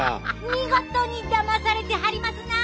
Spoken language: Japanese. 見事にだまされてはりますな。